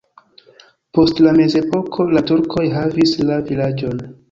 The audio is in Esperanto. Post la mezepoko la turkoj havis la vilaĝon.